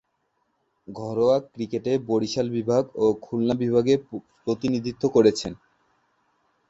ঘরোয়া ক্রিকেটে বরিশাল বিভাগ ও খুলনা বিভাগে প্রতিনিধিত্ব করছেন।